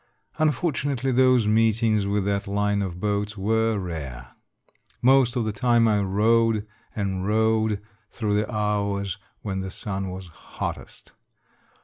Unfortunately, those meetings with that line of boats were rare. Most of the time I rowed and rowed, through the hours when the sun was hottest.